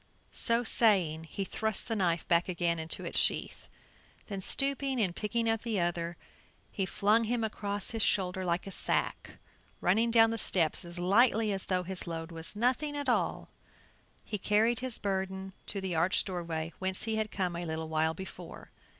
So saying, he thrust the knife back again into its sheath, then stooping and picking up the other, he flung him across his shoulder like a sack, and running down the steps as lightly as though his load was nothing at all, he carried his burden to the arched doorway whence he had come a little while before.